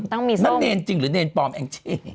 ต้องมีส้มนั้นเนรจริงหรือเนรปลอมแอ้งเชียง